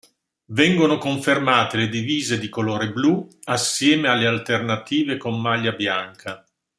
Vengono confermate le divise di colore blu, assieme alle alternative con maglia bianca.